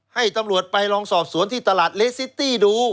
ให้ตำรวจไปลองสอบสวนที่ตลาดเลสซิตี้ดู